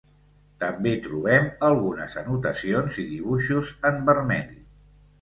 També trobem algunes anotacions i dibuixos en vermell.